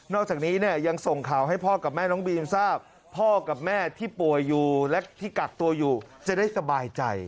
จากนี้เนี่ยยังส่งข่าวให้พ่อกับแม่น้องบีนทราบพ่อกับแม่ที่ป่วยอยู่และที่กักตัวอยู่จะได้สบายใจ